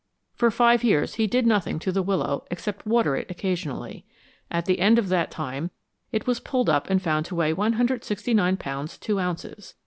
For five years he did nothing to the willow except water it occasionally. At the end of that time it was pulled up and found to weigh 169 pounds 2 ounces.